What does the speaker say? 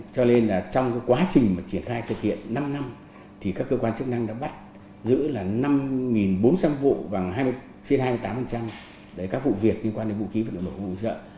cho nên trong quá trình triển khai thực hiện năm năm thì các cơ quan chức năng đã bắt giữ năm bốn trăm linh vụ khoảng hai mươi tám các vụ việc liên quan đến bụi khí vật lực lực vụ sợ